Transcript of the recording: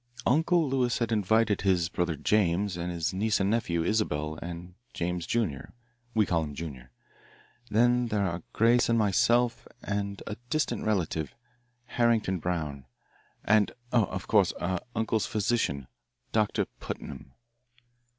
"Uncle Lewis had invited his brother James and his niece and nephew, Isabelle and James, junior we call him Junior. Then there are Grace and myself and a distant relative, Harrington Brown, and oh, of course, uncle's physician, Doctor Putnam."